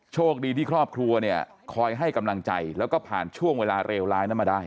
โชคดีที่ครอบครัวเนี่ยคอยให้กำลังใจแล้วก็ผ่านช่วงเวลาเลวร้ายนั้นมาได้